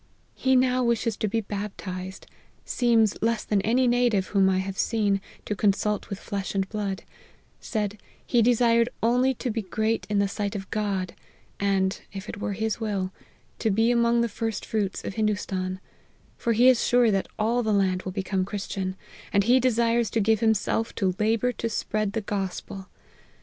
He now wishes to be baptized ; seems less than any native whom I have seen, to consult with flesh and blood ; said he desired only to be great in the sight of God, and, if it were his will, to be among the first fruits of Hindoostan ; for he is sure that all the land will become Christian, and he desires to give himself to labour to spread the Gospel.